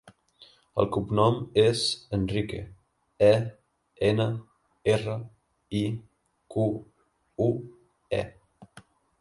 El cognom és Enrique: e, ena, erra, i, cu, u, e.